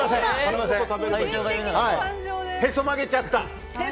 へそ曲げちゃった！